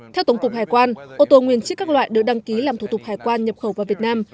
theo tổng cục hải quan ô tô nguyên chiếc các loại được đăng ký làm thủ tục hải quan nhập khẩu vào việt nam